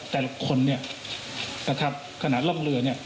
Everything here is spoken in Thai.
แต่ละคนเนี่ยนะครับขนาดร่องเรือเนี่ย